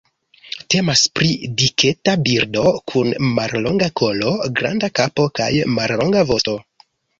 Temas pri diketa birdo, kun mallonga kolo, granda kapo kaj mallonga vosto.